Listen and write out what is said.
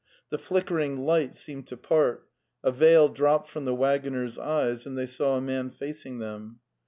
The flickering light seemed to part; a veil dropped from the waggoners' eyes, and they saw a man facing them.